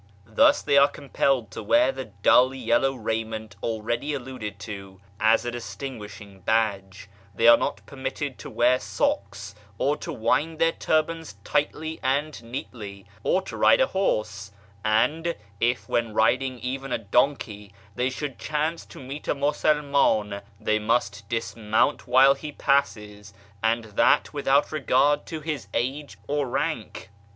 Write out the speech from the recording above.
Thus they are compelled to wear the dull yellow raiment already alluded to as a distinguishing badge ; they are not permitted to wear socks, or to wind their turbans tightly and neatly, or to ride a horse ; and if, when riding even a donkey, they should chance to meet a Musulman, they must dismount while he passes, and that without regard to his age or rank.